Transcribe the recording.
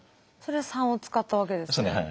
それで３を使ったわけですね。